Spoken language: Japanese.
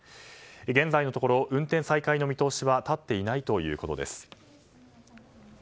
現在のところ運転再開の見通しは立っていないということです。